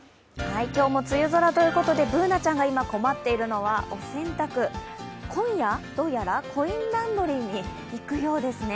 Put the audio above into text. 今日も梅雨空ということで、Ｂｏｏｎａちゃんが今困っているのはお洗濯、今夜どうやらコインランドリーに行くようですね。